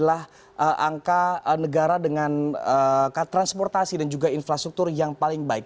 angka negara dengan transportasi dan juga infrastruktur yang paling baik